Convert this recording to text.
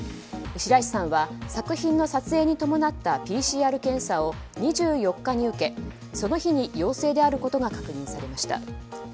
白石さんは、作品の撮影に伴ったＰＣＲ検査を２４日に受けその日に陽性であることが確認されました。